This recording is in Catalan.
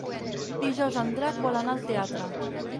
Dijous en Drac vol anar al teatre.